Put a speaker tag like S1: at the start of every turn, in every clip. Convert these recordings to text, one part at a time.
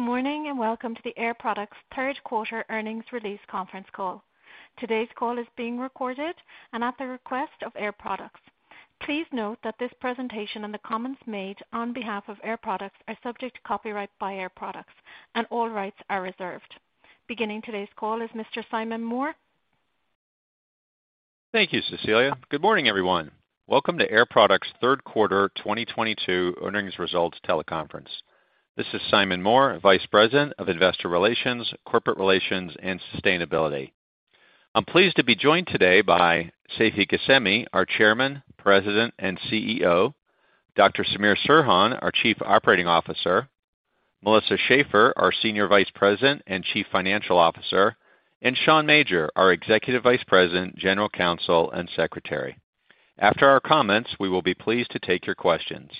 S1: Good morning, and welcome to the Air Products third quarter earnings release conference call. Today's call is being recorded and at the request of Air Products. Please note that this presentation and the comments made on behalf of Air Products are subject to copyright by Air Products and all rights are reserved. Beginning today's call is Mr. Simon Moore.
S2: Thank you, Cecilia. Good morning, everyone. Welcome to Air Products third quarter 2022 earnings results teleconference. This is Simon Moore, Vice President of Investor Relations, Corporate Relations, and Sustainability. I'm pleased to be joined today by Seifi Ghasemi, our Chairman, President, and CEO, Dr. Samir Serhan, our Chief Operating Officer, Melissa Schaeffer, our Senior Vice President and Chief Financial Officer, and Sean Major, our Executive Vice President, General Counsel, and Secretary. After our comments, we will be pleased to take your questions.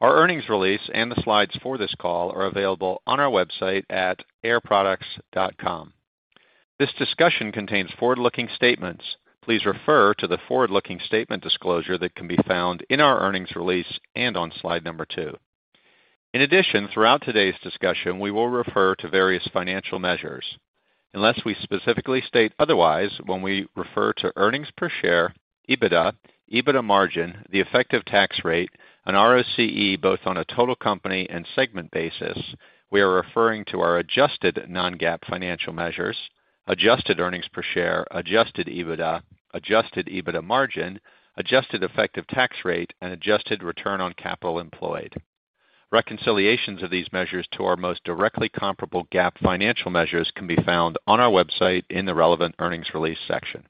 S2: Our earnings release and the slides for this call are available on our website at airproducts.com. This discussion contains forward-looking statements. Please refer to the forward-looking statement disclosure that can be found in our earnings release and on slide number two. In addition, throughout today's discussion, we will refer to various financial measures. Unless we specifically state otherwise, when we refer to earnings per share, EBITDA margin, the effective tax rate, and ROCE both on a total company and segment basis, we are referring to our adjusted non-GAAP financial measures, adjusted earnings per share, adjusted EBITDA, adjusted EBITDA margin, adjusted effective tax rate, and adjusted return on capital employed. Reconciliations of these measures to our most directly comparable GAAP financial measures can be found on our website in the relevant earnings release section.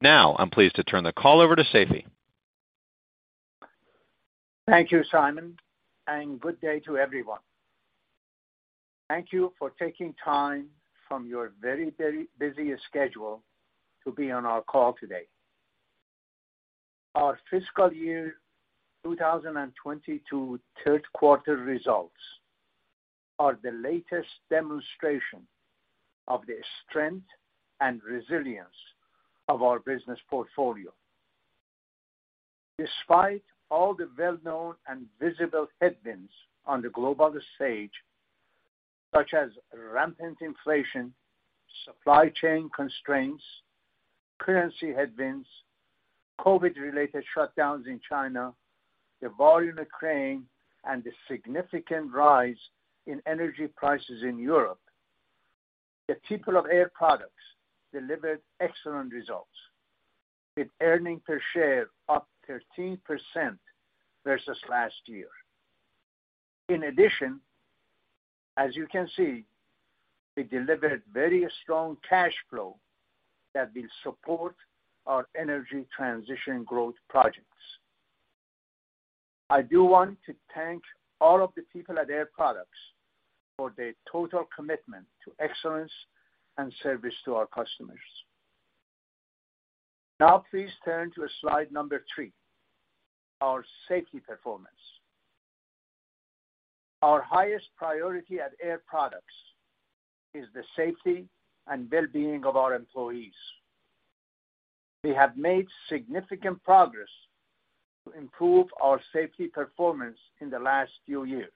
S2: Now, I'm pleased to turn the call over to Seifi.
S3: Thank you, Simon, and good day to everyone. Thank you for taking time from your very, very busy schedule to be on our call today. Our fiscal year 2022 third quarter results are the latest demonstration of the strength and resilience of our business portfolio. Despite all the well-known and visible headwinds on the global stage, such as rampant inflation, supply chain constraints, currency headwinds, COVID-related shutdowns in China, the war in Ukraine, and the significant rise in energy prices in Europe, the people of Air Products delivered excellent results with earnings per share up 13% versus last year. In addition, as you can see, we delivered very strong cash flow that will support our energy transition growth projects. I do want to thank all of the people at Air Products for their total commitment to excellence and service to our customers. Now please turn to slide number three, our safety performance. Our highest priority at Air Products is the safety and well-being of our employees. We have made significant progress to improve our safety performance in the last few years,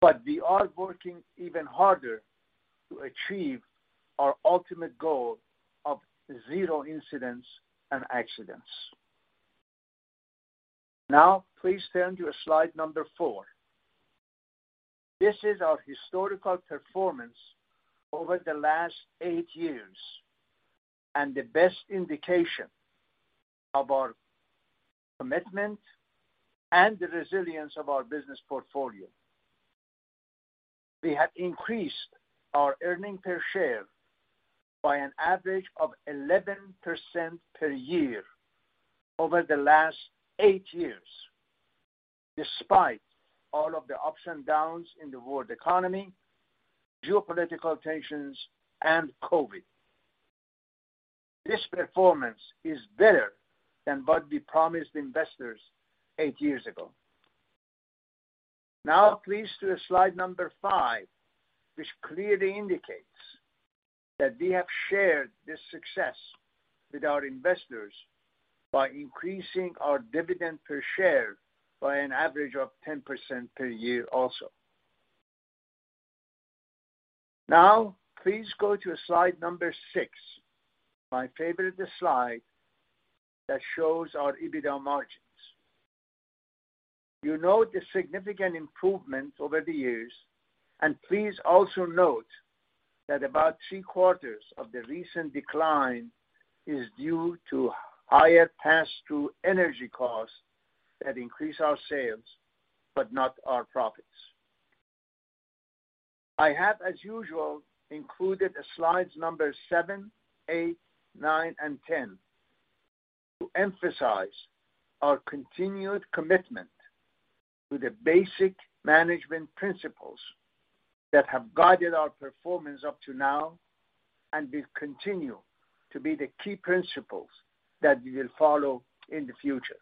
S3: but we are working even harder to achieve our ultimate goal of zero incidents and accidents. Now, please turn to slide number four. This is our historical performance over the last eight years and the best indication of our commitment and the resilience of our business portfolio. We have increased our earnings per share by an average of 11% per year over the last eight years, despite all of the ups and downs in the world economy, geopolitical tensions, and COVID. This performance is better than what we promised investors eight years ago. Now please to slide number five, which clearly indicates that we have shared this success with our investors by increasing our dividend per share by an average of 10% per year also. Now please go to slide number six, my favorite slide that shows our EBITDA margins. You note the significant improvement over the years, and please also note that about three-quarters of the recent decline is due to higher pass-through energy costs that increase our sales but not our profits. I have, as usual, included slides number seven, eight, nine, and 10 to emphasize our continued commitment to the basic management principles that have guided our performance up to now and will continue to be the key principles that we will follow in the future.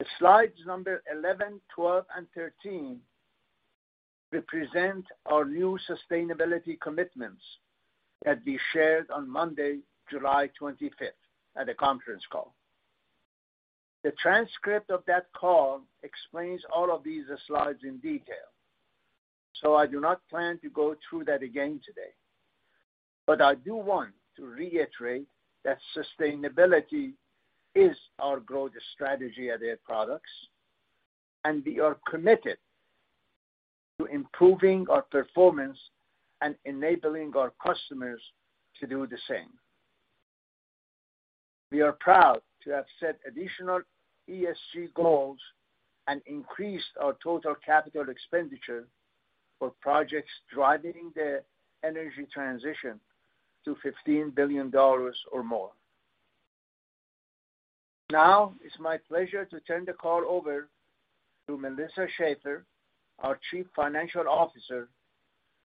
S3: The slides number 11, 12, and 13 represent our new sustainability commitments that we shared on Monday, July 25th, at a conference call. The transcript of that call explains all of these slides in detail, so I do not plan to go through that again today. I do want to reiterate that sustainability is our growth strategy at Air Products, and we are committed to improving our performance and enabling our customers to do the same. We are proud to have set additional ESG goals and increased our total capital expenditure for projects driving the energy transition to $15 billion or more. Now it's my pleasure to turn the call over to Melissa Schaeffer, our Chief Financial Officer,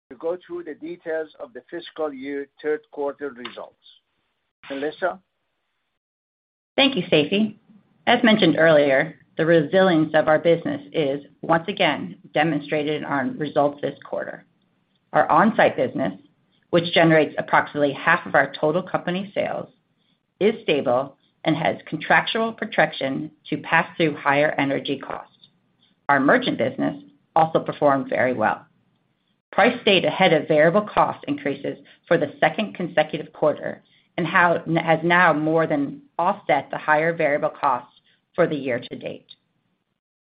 S3: to go through the details of the fiscal year third quarter results. Melissa.
S4: Thank you, Seifi. As mentioned earlier, the resilience of our business is once again demonstrated in our results this quarter. Our on-site business, which generates approximately half of our total company sales, is stable and has contractual protection to pass through higher energy costs. Our merchant business also performed very well. Price stayed ahead of variable cost increases for the second consecutive quarter and has now more than offset the higher variable costs for the year to date.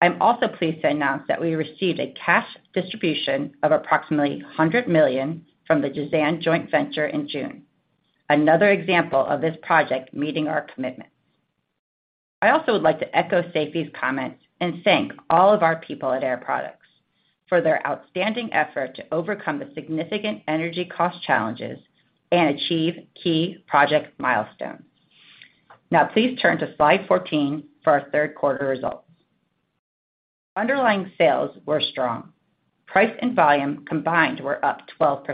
S4: I'm also pleased to announce that we received a cash distribution of approximately $100 million from the Jazan joint venture in June. Another example of this project meeting our commitments. I also would like to echo Seifi's comments and thank all of our people at Air Products for their outstanding effort to overcome the significant energy cost challenges and achieve key project milestones. Now please turn to slide 14 for our third quarter results. Underlying sales were strong. Price and volume combined were up 12%.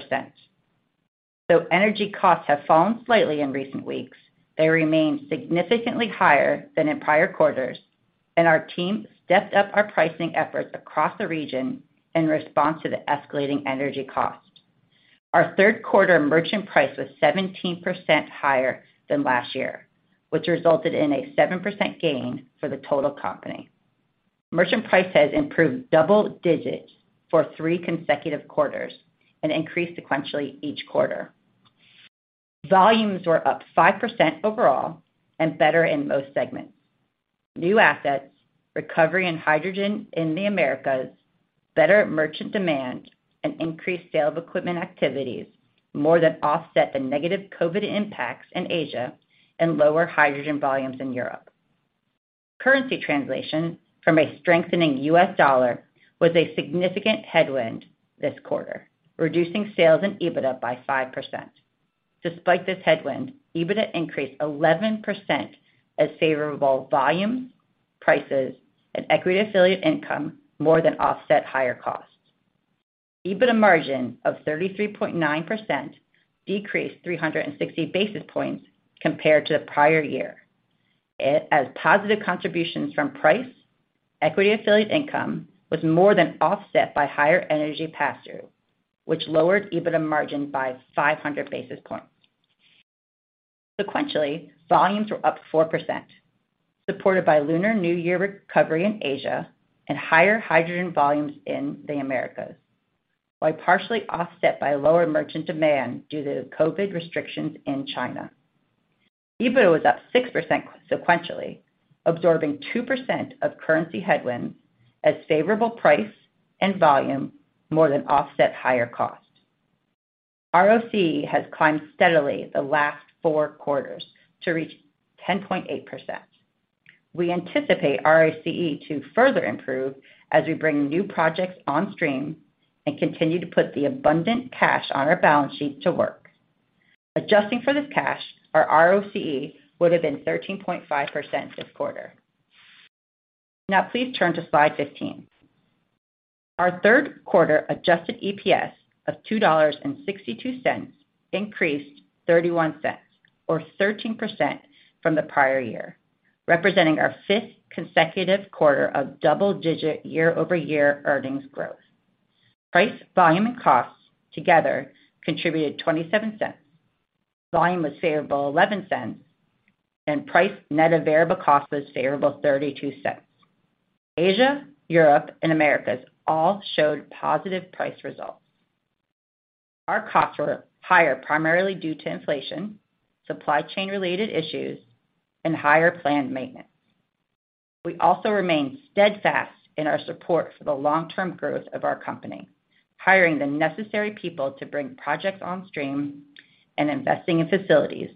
S4: Though energy costs have fallen slightly in recent weeks, they remain significantly higher than in prior quarters, and our team stepped up our pricing efforts across the region in response to the escalating energy costs. Our third quarter merchant price was 17% higher than last year, which resulted in a 7% gain for the total company. Merchant price has improved double-digits for three consecutive quarters and increased sequentially each quarter. Volumes were up 5% overall and better in most segments. New assets, recovery in hydrogen in the Americas, better merchant demand, and increased sale of equipment activities more than offset the negative COVID impacts in Asia and lower hydrogen volumes in Europe. Currency translation from a strengthening U.S. dollar was a significant headwind this quarter, reducing sales and EBITDA by 5%. Despite this headwind, EBITDA increased 11% as favorable volumes, prices, and equity affiliate income more than offset higher costs. EBITDA margin of 33.9% decreased 360 basis points compared to the prior year. As positive contributions from price, equity affiliate income was more than offset by higher energy pass-through, which lowered EBITDA margin by 500 basis points. Sequentially, volumes were up 4%, supported by Lunar New Year recovery in Asia and higher hydrogen volumes in the Americas, while partially offset by lower merchant demand due to the COVID restrictions in China. EBITDA was up 6% sequentially, absorbing 2% of currency headwind as favorable price and volume more than offset higher cost. ROCE has climbed steadily the last four quarters to reach 10.8%. We anticipate ROCE to further improve as we bring new projects on stream and continue to put the abundant cash on our balance sheet to work. Adjusting for this cash, our ROCE would have been 13.5% this quarter. Now please turn to slide 15. Our third quarter adjusted EPS of $2.62 increased $0.31 or 13% from the prior year, representing our fifth consecutive quarter of double-digit year-over-year earnings growth. Price, volume, and costs together contributed $0.27. Volume was favorable $0.11, and price net of variable costs was favorable $0.32. Asia, Europe, and Americas all showed positive price results. Our costs were higher, primarily due to inflation, supply chain related issues, and higher planned maintenance. We also remain steadfast in our support for the long-term growth of our company, hiring the necessary people to bring projects on stream and investing in facilities,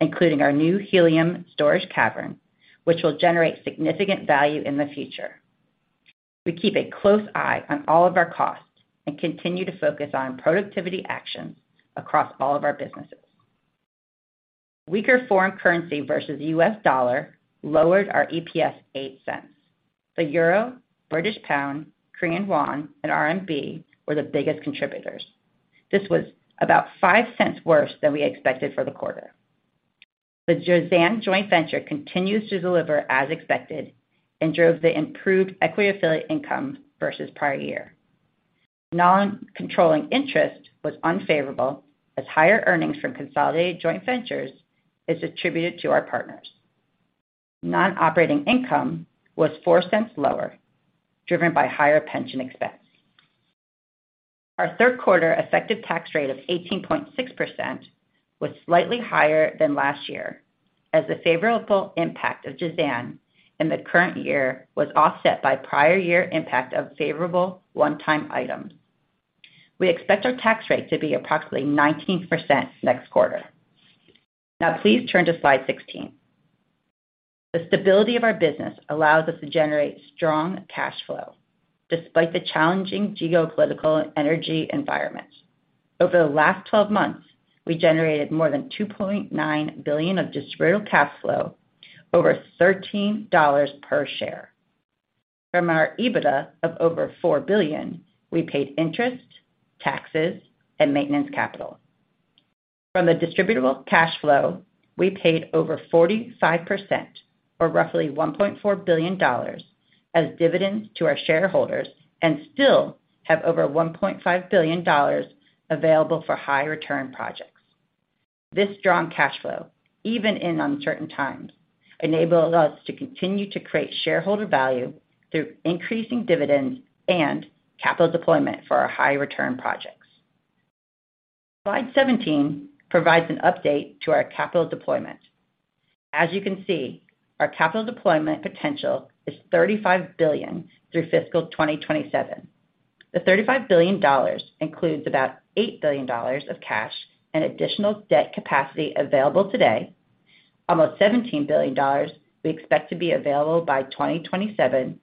S4: including our new helium storage cavern, which will generate significant value in the future. We keep a close eye on all of our costs and continue to focus on productivity actions across all of our businesses. Weaker foreign currency versus the U.S. dollar lowered our EPS $0.08. The euro, British pound, Korean won, and RMB were the biggest contributors. This was about $0.05 worse than we expected for the quarter. The Jazan joint venture continues to deliver as expected and drove the improved equity affiliate income versus prior year. Non-controlling interest was unfavorable as higher earnings from consolidated joint ventures is attributed to our partners. Non-operating income was $0.04 lower, driven by higher pension expense. Our third quarter effective tax rate of 18.6% was slightly higher than last year, as the favorable impact of Jazan in the current year was offset by prior year impact of favorable one-time items. We expect our tax rate to be approximately 19% next quarter. Now please turn to slide 16. The stability of our business allows us to generate strong cash flow despite the challenging geopolitical energy environment. Over the last 12 months, we generated more than $2.9 billion of distributable cash flow, over $13 per share. From our EBITDA of over $4 billion, we paid interest, taxes, and maintenance capital. From the distributable cash flow, we paid over 45% or roughly $1.4 billion as dividends to our shareholders and still have over $1.5 billion available for high return projects. This strong cash flow, even in uncertain times, enables us to continue to create shareholder value through increasing dividends and capital deployment for our high return projects. Slide 17 provides an update to our capital deployment. As you can see, our capital deployment potential is $35 billion through fiscal 2027. The $35 billion includes about $8 billion of cash and additional debt capacity available today. Almost $17 billion we expect to be available by 2027,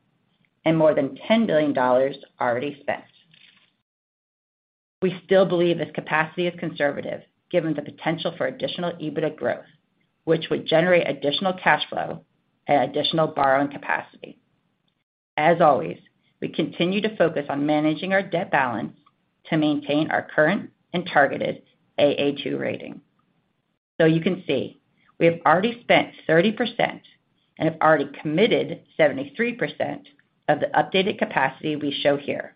S4: and more than $10 billion already spent. We still believe this capacity is conservative given the potential for additional EBITDA growth, which would generate additional cash flow and additional borrowing capacity. As always, we continue to focus on managing our debt balance to maintain our current and targeted Aa2 rating. You can see we have already spent 30% and have already committed 73% of the updated capacity we show here.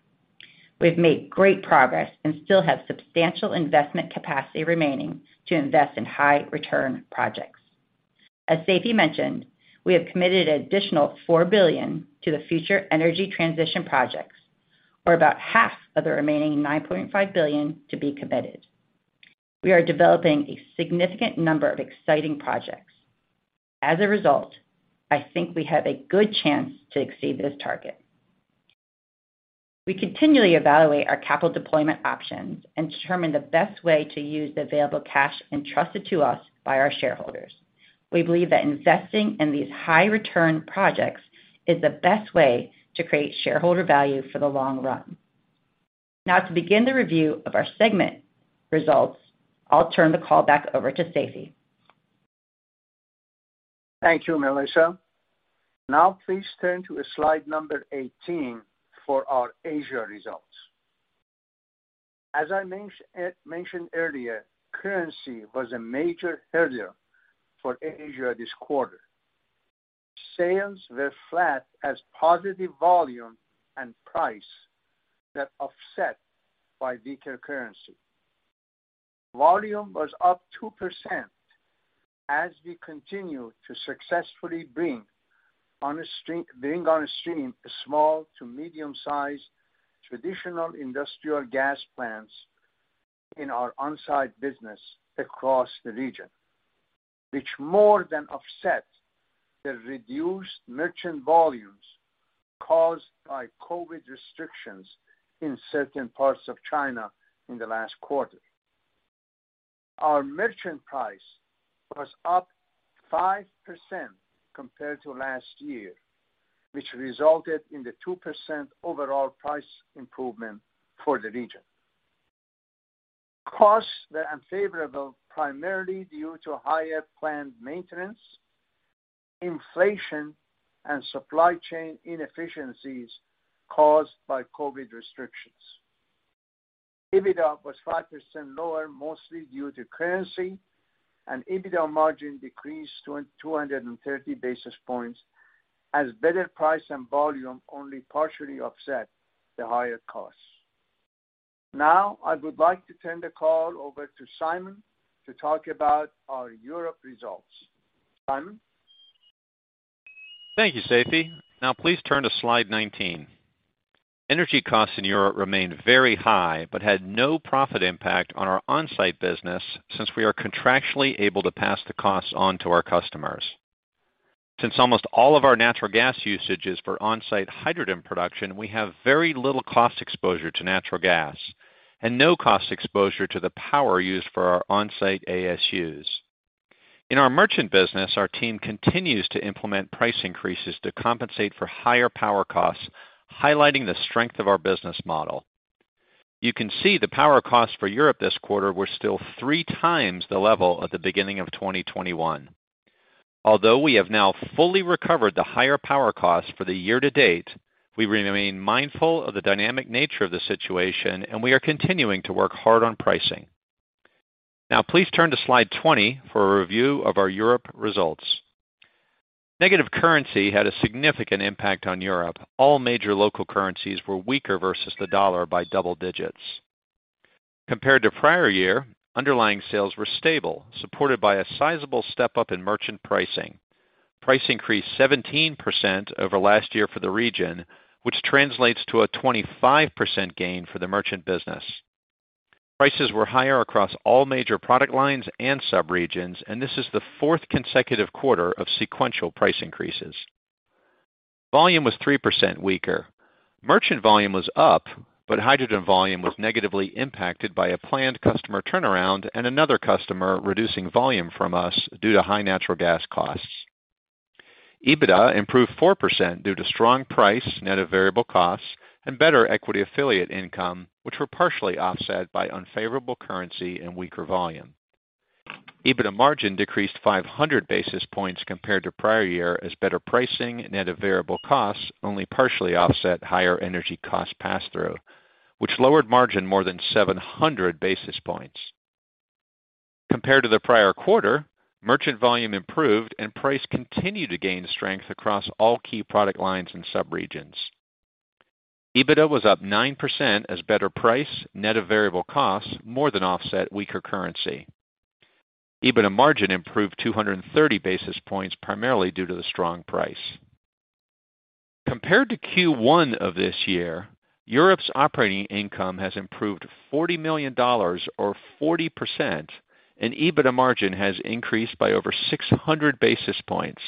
S4: We've made great progress and still have substantial investment capacity remaining to invest in high return projects. As Seifi mentioned, we have committed an additional $4 billion to the future energy transition projects, or about half of the remaining $9.5 billion to be committed. We are developing a significant number of exciting projects. As a result, I think we have a good chance to exceed this target. We continually evaluate our capital deployment options and determine the best way to use the available cash entrusted to us by our shareholders. We believe that investing in these high return projects is the best way to create shareholder value for the long run. Now to begin the review of our segment results, I'll turn the call back over to Seifi.
S3: Thank you, Melissa. Now, please turn to slide number 18 for our Asia results. As I mentioned earlier, currency was a major headwind for Asia this quarter. Sales were flat as positive volume and price that offset by weaker currency. Volume was up 2% as we continue to successfully bring on stream small to medium-sized traditional industrial gas plants in our on-site business across the region, which more than offset the reduced merchant volumes caused by COVID restrictions in certain parts of China in the last quarter. Our merchant price was up 5% compared to last year, which resulted in the 2% overall price improvement for the region. Costs were unfavorable, primarily due to higher plant maintenance, inflation, and supply chain inefficiencies caused by COVID restrictions. EBITDA was 5% lower, mostly due to currency, and EBITDA margin decreased to 230 basis points as better price and volume only partially offset the higher costs. Now, I would like to turn the call over to Simon to talk about our Europe results. Simon?
S2: Thank you, Seifi. Now please turn to slide 19. Energy costs in Europe remained very high. Had no profit impact on our on-site business since we are contractually able to pass the costs on to our customers. Since almost all of our natural gas usage is for on-site hydrogen production, we have very little cost exposure to natural gas and no cost exposure to the power used for our on-site ASUs. In our merchant business, our team continues to implement price increases to compensate for higher power costs, highlighting the strength of our business model. You can see the power costs for Europe this quarter were still 3x the level at the beginning of 2021. Although we have now fully recovered the higher power costs for the year-to-date, we remain mindful of the dynamic nature of the situation, and we are continuing to work hard on pricing. Now please turn to slide 20 for a review of our Europe results. Negative currency had a significant impact on Europe. All major local currencies were weaker versus the dollar by double digits. Compared to prior year, underlying sales were stable, supported by a sizable step-up in merchant pricing. Price increased 17% over last year for the region, which translates to a 25% gain for the merchant business. Prices were higher across all major product lines and sub-regions, and this is the fourth consecutive quarter of sequential price increases. Volume was 3% weaker. Merchant volume was up, but hydrogen volume was negatively impacted by a planned customer turnaround and another customer reducing volume from us due to high natural gas costs. EBITDA improved 4% due to strong price net of variable costs and better equity affiliate income, which were partially offset by unfavorable currency and weaker volume. EBITDA margin decreased 500 basis points compared to prior year as better pricing net of variable costs only partially offset higher energy costs pass-through, which lowered margin more than 700 basis points. Compared to the prior quarter, merchant volume improved and price continued to gain strength across all key product lines and sub-regions. EBITDA was up 9% as better price net of variable costs more than offset weaker currency. EBITDA margin improved 230 basis points, primarily due to the strong price. Compared to Q1 of this year, Europe's operating income has improved $40 million or 40%, and EBITDA margin has increased by over 600 basis points,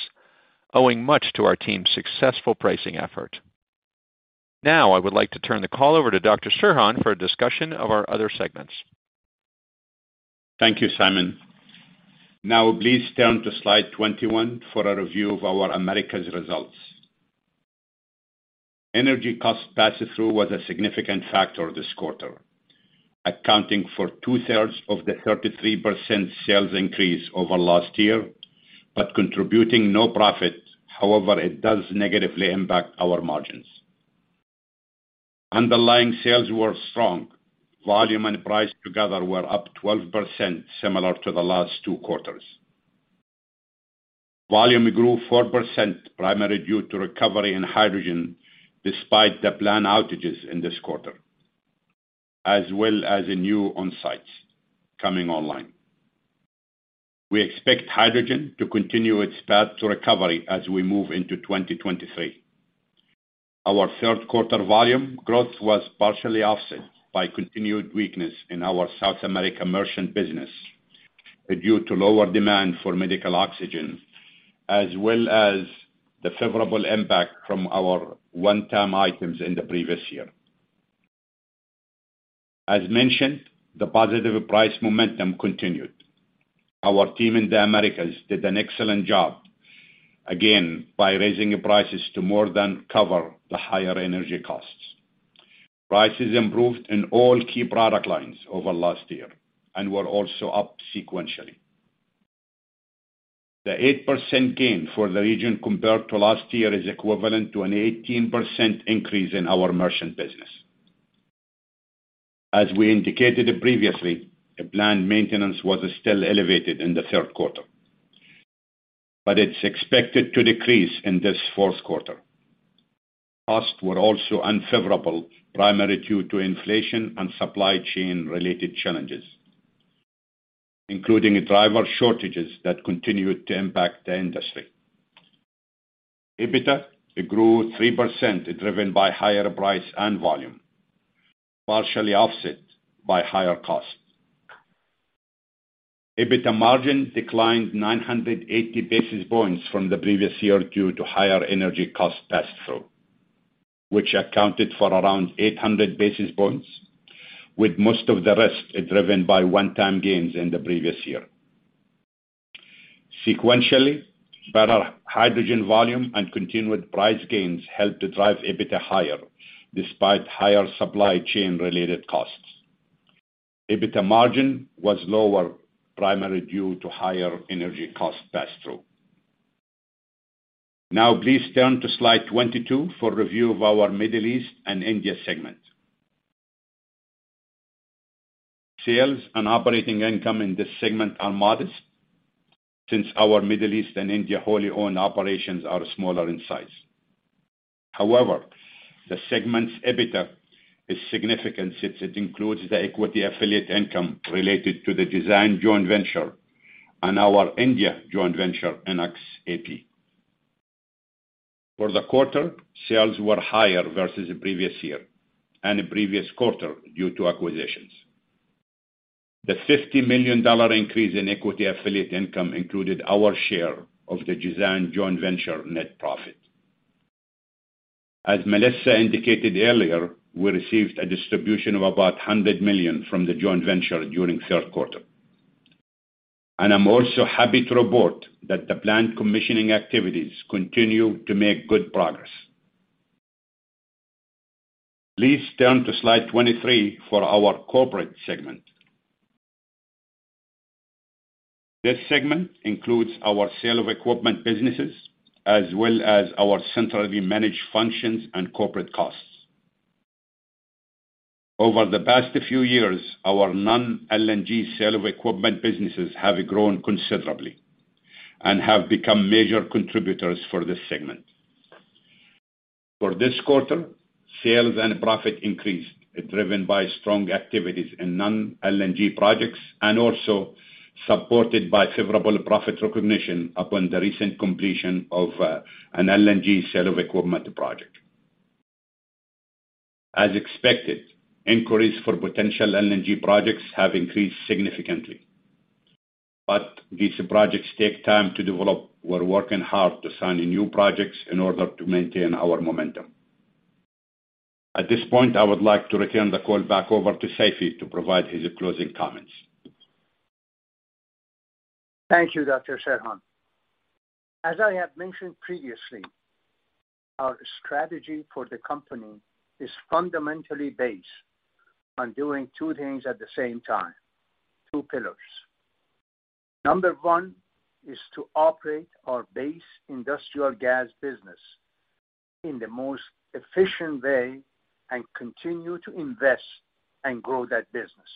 S2: owing much to our team's successful pricing effort. Now, I would like to turn the call over to Dr. Serhan for a discussion of our other segments.
S5: Thank you, Simon. Now please turn to slide 21 for a review of our Americas results. Energy cost pass-through was a significant factor this quarter, accounting for 2/3 of the 33% sales increase over last year, but contributing no profit. However, it does negatively impact our margins. Underlying sales were strong. Volume and price together were up 12%, similar to the last two quarters. Volume grew 4%, primarily due to recovery in hydrogen despite the planned outages in this quarter, as well as in new onsites coming online. We expect hydrogen to continue its path to recovery as we move into 2023. Our third quarter volume growth was partially offset by continued weakness in our South America merchant business due to lower demand for medical oxygen, as well as the favorable impact from our one-time items in the previous year. As mentioned, the positive price momentum continued. Our team in the Americas did an excellent job again by raising prices to more than cover the higher energy costs. Prices improved in all key product lines over last year and were also up sequentially. The 8% gain for the region compared to last year is equivalent to an 18% increase in our merchant business. As we indicated previously, the planned maintenance was still elevated in the third quarter, but it's expected to decrease in this fourth quarter. Costs were also unfavorable, primarily due to inflation and supply chain related challenges, including driver shortages that continued to impact the industry. EBITDA grew 3%, driven by higher price and volume, partially offset by higher costs. EBITDA margin declined 980 basis points from the previous year due to higher energy costs pass-through, which accounted for around 800 basis points, with most of the rest driven by one-time gains in the previous year. Sequentially, better hydrogen volume and continued price gains helped drive EBITDA higher despite higher supply chain related costs. EBITDA margin was lower, primarily due to higher energy costs pass-through. Now please turn to slide 22 for review of our Middle East and India segment. Sales and operating income in this segment are modest since our Middle East and India wholly owned operations are smaller in size. However, the segment's EBITDA is significant since it includes the equity affiliate income related to the Jazan joint venture and our India joint venture, INOX Air Products. For the quarter, sales were higher versus the previous year and the previous quarter due to acquisitions. The $50 million increase in equity affiliate income included our share of the Jazan joint venture net profit. As Melissa indicated earlier, we received a distribution of about $100 million from the joint venture during third quarter. I'm also happy to report that the planned commissioning activities continue to make good progress. Please turn to slide 23 for our corporate segment. This segment includes our sale of equipment businesses, as well as our centrally managed functions and corporate costs. Over the past few years, our non-LNG sale of equipment businesses have grown considerably and have become major contributors for this segment. For this quarter, sales and profit increased, driven by strong activities in non-LNG projects and also supported by favorable profit recognition upon the recent completion of an LNG sale of equipment project. As expected, inquiries for potential LNG projects have increased significantly. These projects take time to develop. We're working hard to sign new projects in order to maintain our momentum. At this point, I would like to return the call back over to Seifi to provide his closing comments.
S3: Thank you, Dr. Serhan. As I have mentioned previously, our strategy for the company is fundamentally based on doing two things at the same time, two pillars. Number one is to operate our base industrial gas business in the most efficient way and continue to invest and grow that business,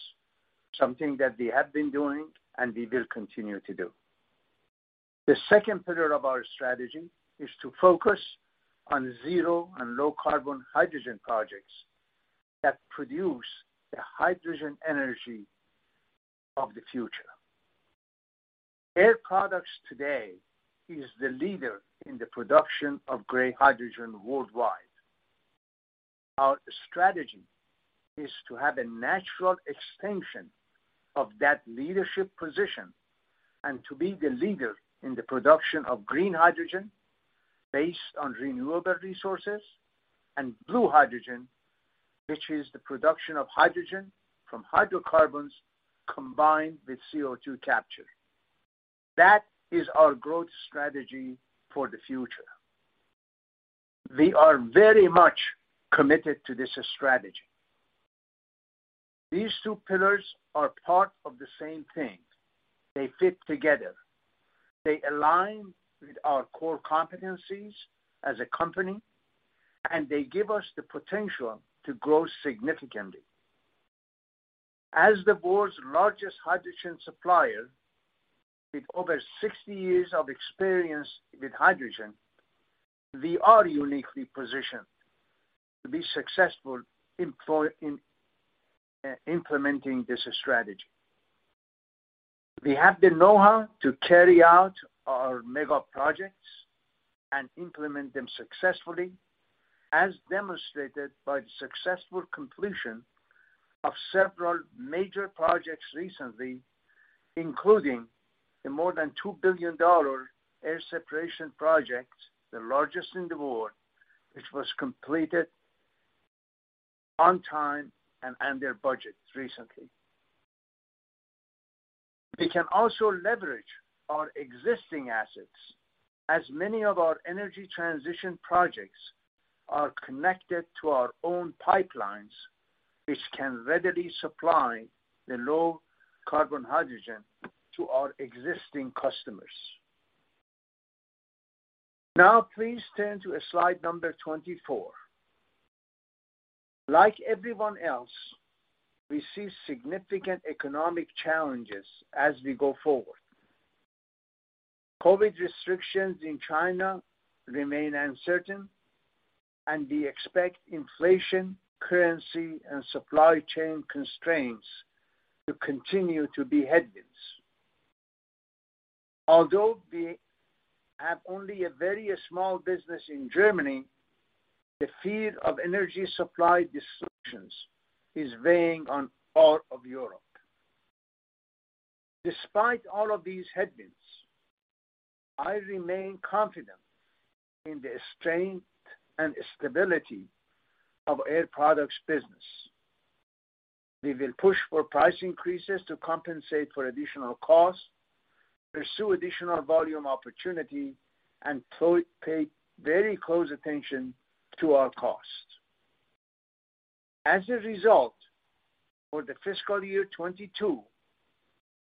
S3: something that we have been doing and we will continue to do. The second pillar of our strategy is to focus on zero and low carbon hydrogen projects that produce the hydrogen energy of the future. Air Products today is the leader in the production of gray hydrogen worldwide. Our strategy is to have a natural extension of that leadership position and to be the leader in the production of green hydrogen based on renewable resources and blue hydrogen, which is the production of hydrogen from hydrocarbons combined with CO₂ capture. That is our growth strategy for the future. We are very much committed to this strategy. These two pillars are part of the same thing. They fit together. They align with our core competencies as a company, and they give us the potential to grow significantly. As the world's largest hydrogen supplier, with over 60 years of experience with hydrogen, we are uniquely positioned to be successful in implementing this strategy. We have the know-how to carry out our mega projects and implement them successfully, as demonstrated by the successful completion of several major projects recently, including the more than $2 billion air separation project, the largest in the world, which was completed on time and under budget recently. We can also leverage our existing assets, as many of our energy transition projects are connected to our own pipelines, which can readily supply the low carbon hydrogen to our existing customers. Now please turn to slide number 24. Like everyone else, we see significant economic challenges as we go forward. COVID restrictions in China remain uncertain, and we expect inflation, currency, and supply chain constraints to continue to be headwinds. Although we have only a very small business in Germany, the fear of energy supply disruptions is weighing on all of Europe. Despite all of these headwinds, I remain confident in the strength and stability of Air Products business. We will push for price increases to compensate for additional costs, pursue additional volume opportunity, and pay very close attention to our costs. As a result, for the fiscal year 2022,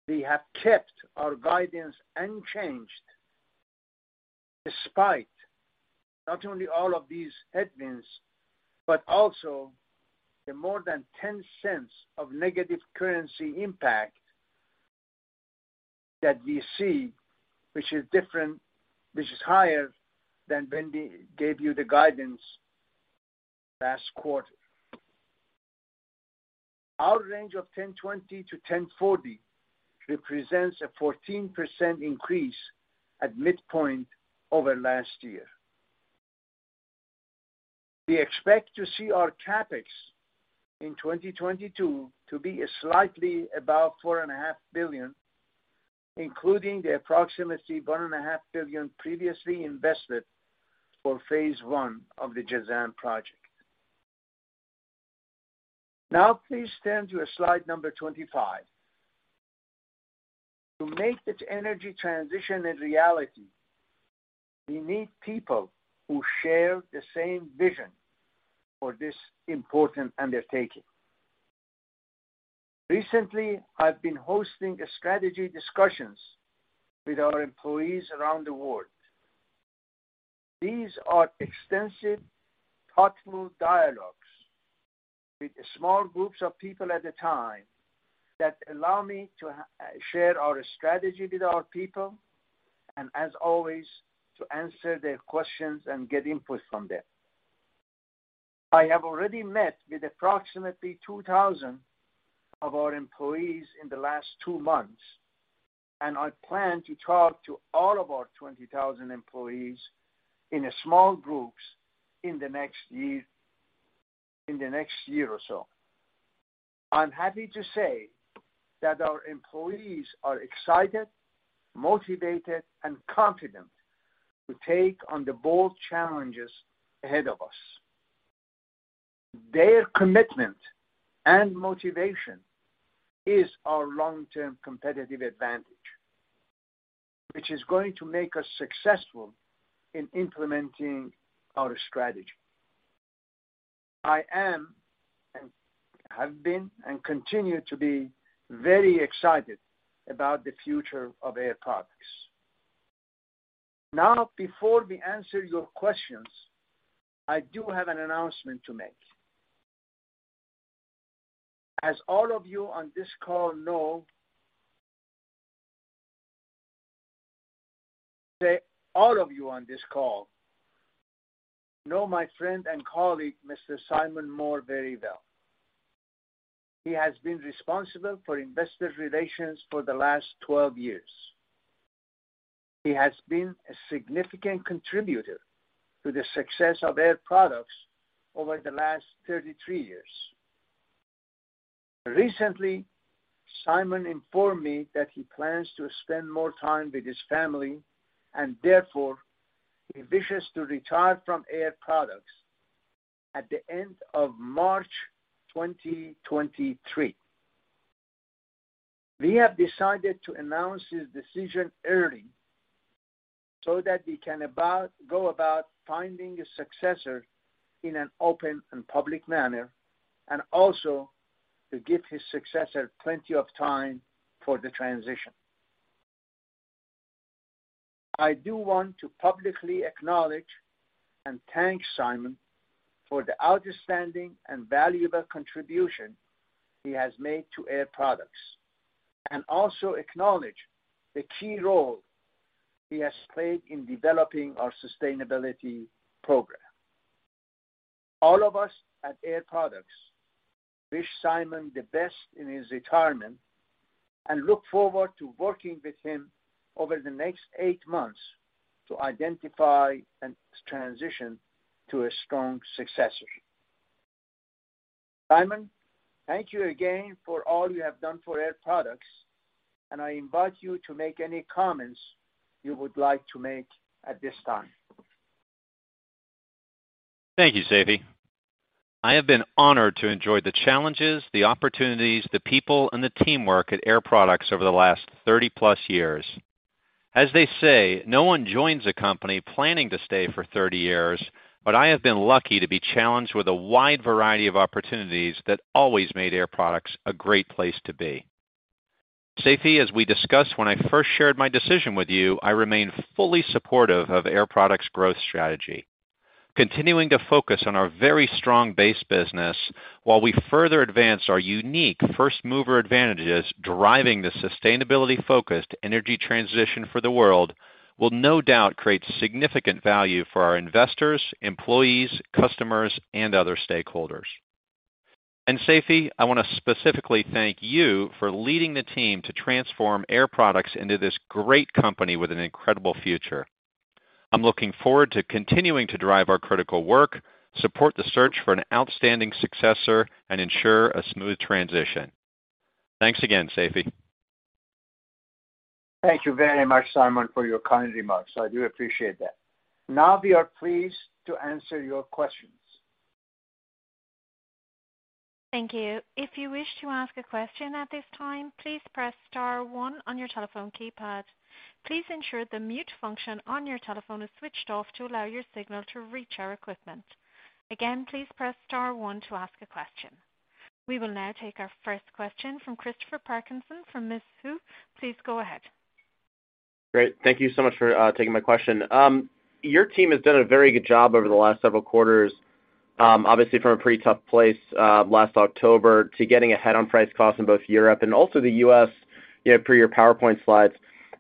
S3: we have kept our guidance unchanged, despite not only all of these headwinds, but also the more than $0.10 of negative currency impact that we see, which is different, which is higher than when we gave you the guidance last quarter. Our range of $10.20-$10.40 represents a 14% increase at midpoint over last year. We expect to see our CapEx in 2022 to be slightly above $4.5 billion, including the approximately $1.5 billion previously invested for phase one of the Jazan project. Now please turn to slide number 25. To make this energy transition a reality, we need people who share the same vision for this important undertaking. Recently, I've been hosting strategy discussions with our employees around the world. These are extensive, thoughtful dialogues with small groups of people at a time that allow me to share our strategy with our people and as always, to answer their questions and get input from them. I have already met with approximately 2,000 of our employees in the last two months, and I plan to talk to all of our 20,000 employees in a small groups in the next year or so. I'm happy to say that our employees are excited, motivated, and confident to take on the bold challenges ahead of us. Their commitment and motivation is our long-term competitive advantage, which is going to make us successful in implementing our strategy. I am, and have been, and continue to be very excited about the future of Air Products. Now, before we answer your questions, I do have an announcement to make. As all of you on this call know my friend and colleague, Mr. Simon Moore, very well. He has been responsible for investor relations for the last 12 years. He has been a significant contributor to the success of Air Products over the last 33 years. Recently, Simon informed me that he plans to spend more time with his family, and therefore he wishes to retire from Air Products at the end of March 2023. We have decided to announce his decision early so that we can go about finding a successor in an open and public manner, and also to give his successor plenty of time for the transition. I do want to publicly acknowledge and thank Simon for the outstanding and valuable contribution he has made to Air Products, and also acknowledge the key role he has played in developing our sustainability program. All of us at Air Products wish Simon the best in his retirement and look forward to working with him over the next eight months to identify and transition to a strong successor. Simon, thank you again for all you have done for Air Products, and I invite you to make any comments you would like to make at this time.
S2: Thank you, Seifi. I have been honored to enjoy the challenges, the opportunities, the people, and the teamwork at Air Products over the last 30+ years. As they say, no one joins a company planning to stay for 30 years, but I have been lucky to be challenged with a wide variety of opportunities that always made Air Products a great place to be. Seifi, as we discussed when I first shared my decision with you, I remain fully supportive of Air Products' growth strategy. Continuing to focus on our very strong base business while we further advance our unique first-mover advantages, driving the sustainability-focused energy transition for the world, will no doubt create significant value for our investors, employees, customers, and other stakeholders. Seifi, I wanna specifically thank you for leading the team to transform Air Products into this great company with an incredible future. I'm looking forward to continuing to drive our critical work, support the search for an outstanding successor, and ensure a smooth transition. Thanks again, Seifi.
S3: Thank you very much, Simon, for your kind remarks. I do appreciate that. Now we are pleased to answer your questions.
S1: Thank you. If you wish to ask a question at this time, please press star one on your telephone keypad. Please ensure the mute function on your telephone is switched off to allow your signal to reach our equipment. Again, please press star one to ask a question. We will now take our first question from Christopher Parkinson from Mizuho. Please go ahead.
S6: Great. Thank you so much for taking my question. Your team has done a very good job over the last several quarters, obviously from a pretty tough place last October to getting ahead on price costs in both Europe and also the U.S., you know, per your PowerPoint slides.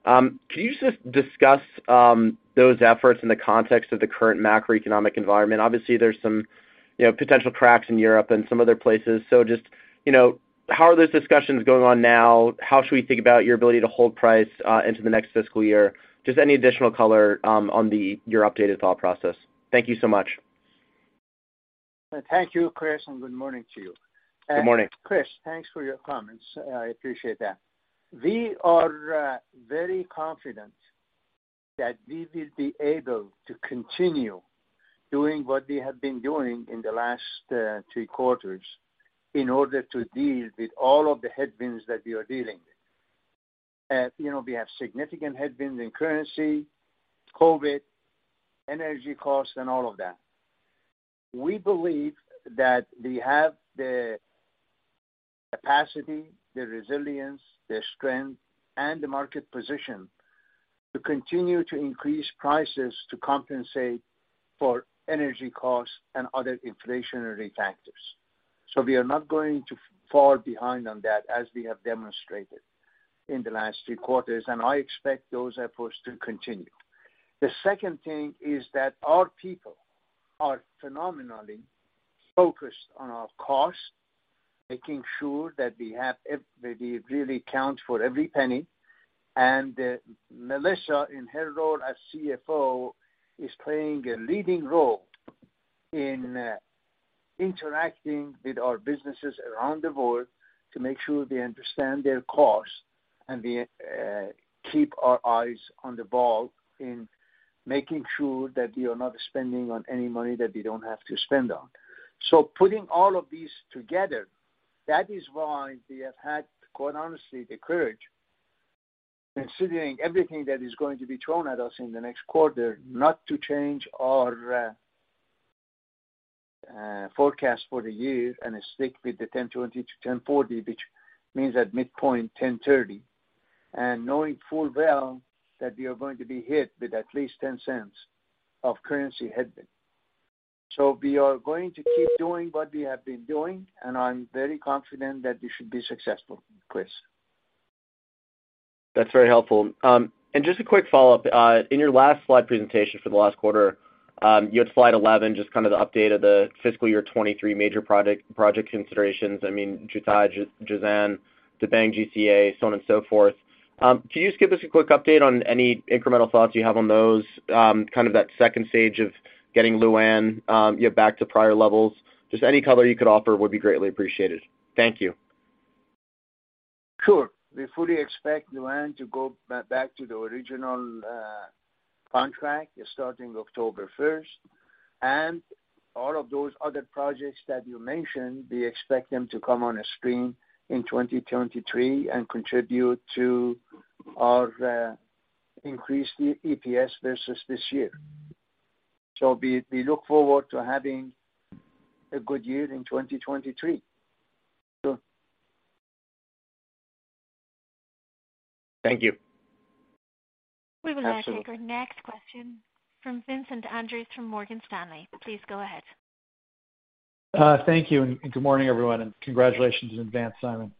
S6: Can you just discuss those efforts in the context of the current macroeconomic environment? Obviously, there's some, you know, potential cracks in Europe and some other places. Just, you know, how are those discussions going on now? How should we think about your ability to hold price into the next fiscal year? Just any additional color on your updated thought process. Thank you so much.
S3: Thank you, Chris, and good morning to you.
S6: Good morning.
S3: Chris, thanks for your comments. I appreciate that. We are very confident that we will be able to continue doing what we have been doing in the last three quarters in order to deal with all of the headwinds that we are dealing with. You know, we have significant headwinds in currency, COVID, energy costs, and all of that. We believe that we have the capacity, the resilience, the strength, and the market position to continue to increase prices to compensate for energy costs and other inflationary factors. We are not going to fall behind on that as we have demonstrated in the last three quarters, and I expect those efforts to continue. The second thing is that our people are phenomenally focused on our cost, making sure that we really count for every penny. Melissa, in her role as CFO, is playing a leading role in interacting with our businesses around the world to make sure they understand their costs and we keep our eyes on the ball in making sure that we are not spending any money that we don't have to spend on. Putting all of these together, that is why we have had, quite honestly, the courage, considering everything that is going to be thrown at us in the next quarter, not to change our forecast for the year and stick with the $10.20-$10.40, which means at midpoint, $10.30. Knowing full well that we are going to be hit with at least $0.10 of currency headwind. We are going to keep doing what we have been doing, and I'm very confident that we should be successful, Chris.
S6: That's very helpful. Just a quick follow-up. In your last slide presentation for the last quarter, you had slide 11, just kind of the update of the fiscal year 2023 major project considerations. I mean, Jubail, Jazan, Debang, GCA, so on and so forth. Can you just give us a quick update on any incremental thoughts you have on those, kind of that second stage of getting Lu'an, you know, back to prior levels? Just any color you could offer would be greatly appreciated. Thank you.
S3: Sure. We fully expect Lu'an to go back to the original contract starting October first. All of those other projects that you mentioned, we expect them to come on stream in 2023 and contribute to our increased EPS versus this year. We look forward to having a good year in 2023. Sure.
S6: Thank you.
S1: We will now take our next question from Vincent Andrews from Morgan Stanley. Please go ahead.
S7: Thank you, and good morning, everyone, and congratulations in advance, Simon.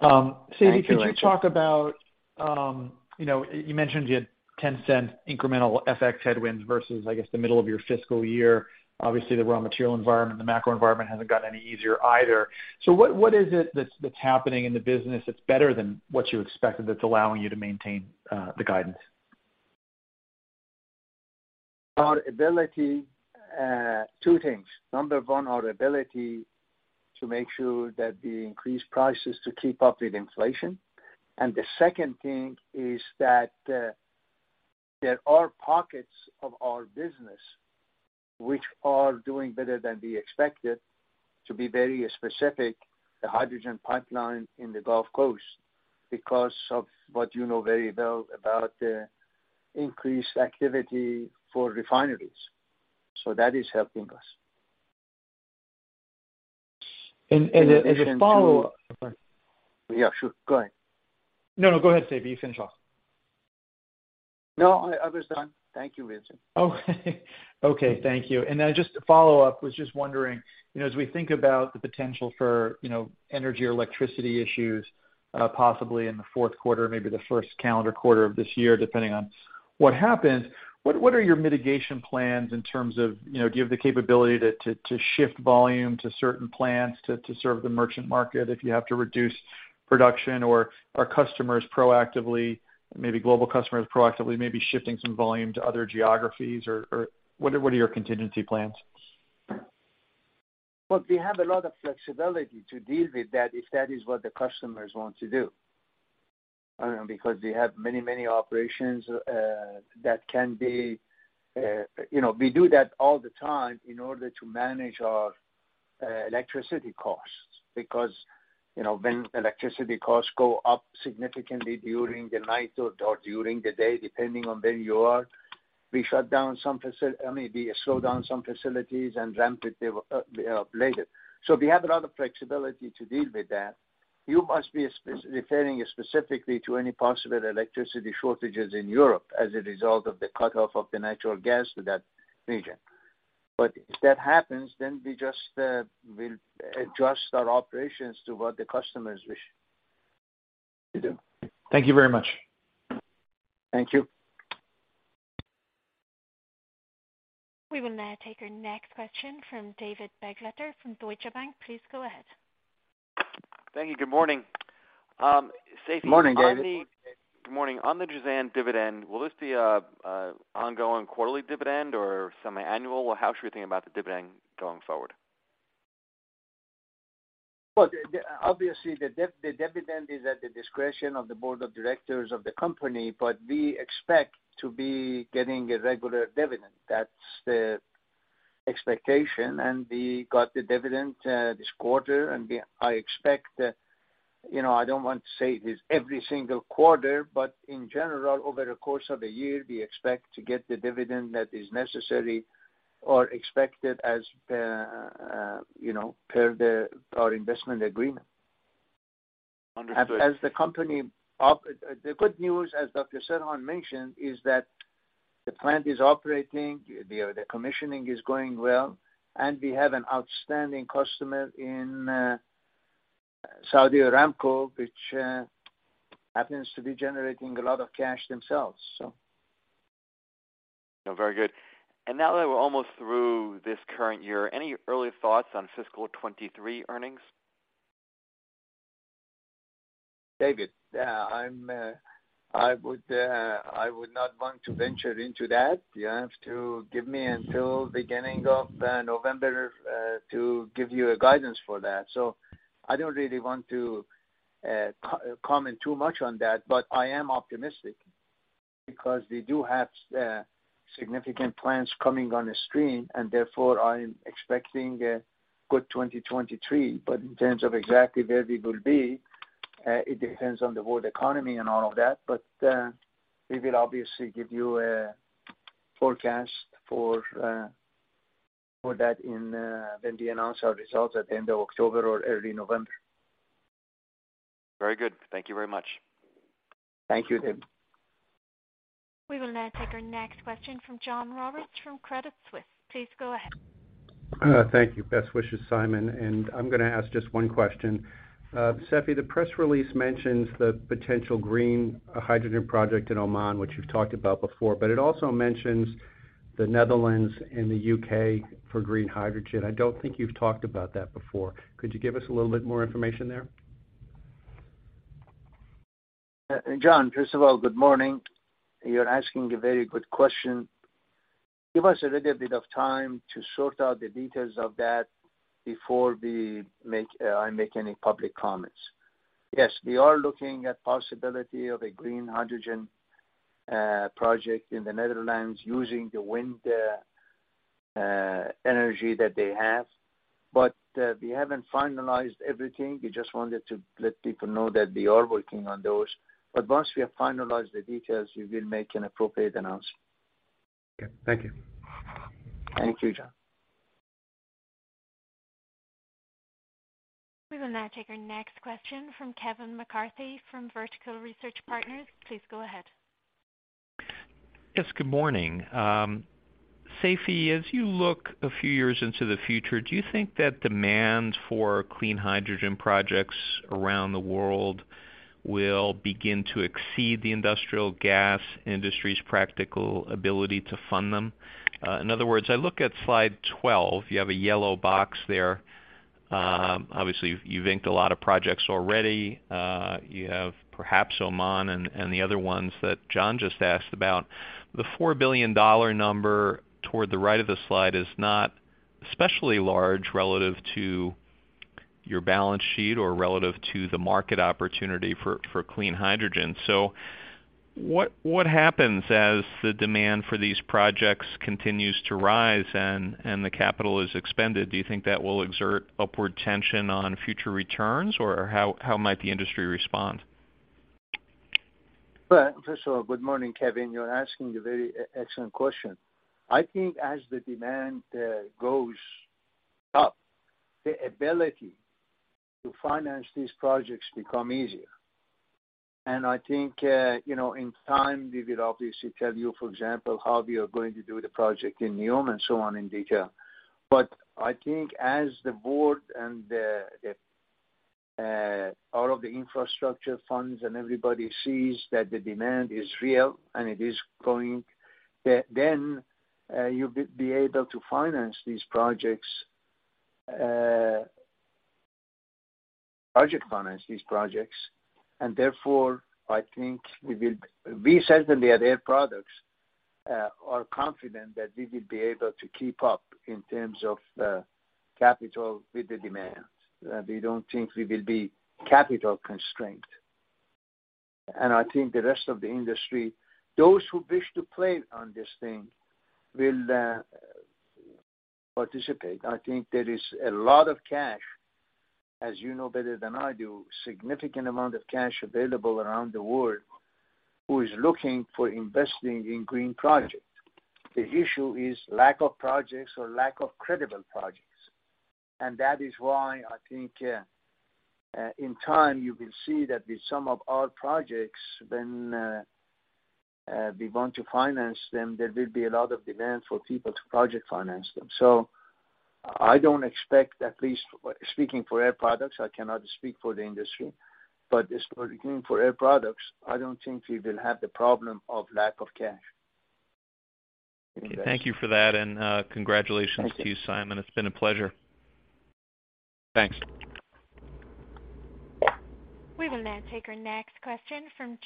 S3: Thank you.
S7: Could you talk about, you know, you mentioned you had $0.10 incremental FX headwinds versus, I guess, the middle of your fiscal year. Obviously, the raw material environment, the macro environment hasn't gotten any easier either. What is it that's happening in the business that's better than what you expected that's allowing you to maintain the guidance?
S3: Our ability, two things. Number one, our ability to make sure that we increase prices to keep up with inflation. The second thing is that, there are pockets of our business which are doing better than we expected. To be very specific, the hydrogen pipeline in the Gulf Coast, because of what you know very well about the increased activity for refineries. That is helping us.
S7: And a follow-up-
S3: Yeah, sure. Go ahead.
S7: No, no, go ahead, Seifi. You finish off.
S3: No, I was done. Thank you, Vincent.
S7: Oh. Okay, thank you. Just a follow-up, was just wondering, you know, as we think about the potential for, you know, energy or electricity issues, possibly in the fourth quarter, maybe the first calendar quarter of this year, depending on what happens, what are your mitigation plans in terms of, you know, do you have the capability to shift volume to certain plants to serve the merchant market if you have to reduce production? Or are customers proactively, maybe global customers proactively maybe shifting some volume to other geographies? Or what are your contingency plans?
S3: Look, we have a lot of flexibility to deal with that if that is what the customers want to do. Because we have many operations, you know, we do that all the time in order to manage our electricity costs. Because, you know, when electricity costs go up significantly during the night or during the day, depending on where you are, we maybe slow down some facilities and ramp it later. We have a lot of flexibility to deal with that. You must be referring specifically to any possible electricity shortages in Europe as a result of the cutoff of the natural gas to that region. If that happens, then we just we'll adjust our operations to what the customers wish to do.
S7: Thank you very much.
S3: Thank you.
S1: We will now take our next question from David Begleiter from Deutsche Bank. Please go ahead.
S8: Thank you. Good morning. Seifi
S3: Good morning, David.
S8: Good morning. On the Jazan dividend, will this be a ongoing quarterly dividend or semi-annual? How should we think about the dividend going forward?
S3: Well, obviously, the dividend is at the discretion of the board of directors of the company, but we expect to be getting a regular dividend. That's the expectation, and we got the dividend this quarter, and I expect, you know, I don't want to say it is every single quarter, but in general, over the course of a year, we expect to get the dividend that is necessary or expected as, you know, per our investment agreement.
S8: Understood.
S3: The good news, as Dr. Serhan mentioned, is that the plant is operating, the commissioning is going well, and we have an outstanding customer in Saudi Aramco, which happens to be generating a lot of cash themselves.
S8: No, very good. Now that we're almost through this current year, any early thoughts on fiscal 2023 earnings?
S3: David, I would not want to venture into that. You have to give me until beginning of November to give you guidance for that. I don't really want to comment too much on that, but I am optimistic because we do have significant plans coming on stream, and therefore, I am expecting a good 2023. In terms of exactly where we will be, it depends on the world economy and all of that. We will obviously give you a forecast for that when we announce our results at the end of October or early November.
S8: Very good. Thank you very much.
S3: Thank you, David.
S1: We will now take our next question from John Roberts from Credit Suisse. Please go ahead.
S9: Thank you. Best wishes, Simon. I'm gonna ask just one question. Seifi, the press release mentions the potential green hydrogen project in Oman, which you've talked about before, but it also mentions the Netherlands and the U.K. for green hydrogen. I don't think you've talked about that before. Could you give us a little bit more information there?
S3: John, first of all, good morning. You're asking a very good question. Give us a little bit of time to sort out the details of that before I make any public comments. Yes, we are looking at possibility of a green hydrogen project in the Netherlands using the wind energy that they have. We haven't finalized everything. We just wanted to let people know that we are working on those. Once we have finalized the details, we will make an appropriate announcement.
S9: Okay. Thank you.
S3: Thank you, John.
S1: We will now take our next question from Kevin McCarthy from Vertical Research Partners. Please go ahead.
S10: Yes, good morning. Seifi, as you look a few years into the future, do you think that demand for clean hydrogen projects around the world will begin to exceed the industrial gas industry's practical ability to fund them? In other words, I look at slide 12, you have a yellow box there. Obviously, you've inked a lot of projects already. You have perhaps Oman and the other ones that John just asked about. The $4 billion number toward the right of the slide is not especially large relative to your balance sheet or relative to the market opportunity for clean hydrogen. What happens as the demand for these projects continues to rise and the capital is expended? Do you think that will exert upward tension on future returns, or how might the industry respond?
S3: Well, first of all, good morning, Kevin. You're asking a very excellent question. I think as the demand goes up, the ability to finance these projects become easier. I think, you know, in time, we will obviously tell you, for example, how we are going to do the project in NEOM and so on in detail. I think as the board and all of the infrastructure funds and everybody sees that the demand is real and it is going, then you'll be able to finance these projects, project finance these projects. Therefore, I think we will. We certainly at Air Products are confident that we will be able to keep up in terms of capital with the demands. We don't think we will be capital constrained. I think the rest of the industry, those who wish to play on this thing, will participate. I think there is a lot of cash, as you know better than I do, significant amount of cash available around the world who is looking for investing in green projects. The issue is lack of projects or lack of credible projects. That is why I think, in time you will see that the sum of our projects, when we want to finance them, there will be a lot of demand for people to project finance them. I don't expect, at least speaking for Air Products, I cannot speak for the industry, but speaking for Air Products, I don't think we will have the problem of lack of cash.
S10: Okay. Thank you for that, and, congratulations to you, Simon. It's been a pleasure.
S3: Thanks.
S1: We will now take our next question from